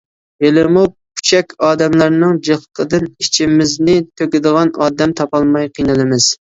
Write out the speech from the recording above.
ھېلىمۇ پۇچەك ئادەملەرنىڭ جىقلىقىدىن ئىچىمىزنى تۆكىدىغان ئادەم تاپالماي قىينىلىمىز.